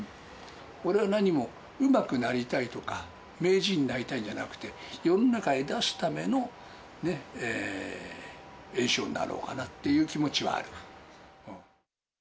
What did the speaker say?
俺は何も、うまくなりたいとか、名人になりたいんじゃなくて、世の中へ出すための圓生になろうかなっていう気持ちはある。